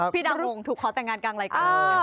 พี่ดังโหงถูกขอตังงานกลางรายการ